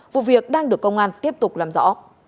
vụ việc đang được công an tiếp tục làm rõ